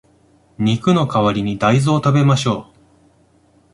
肉の代わりに大豆を食べましょう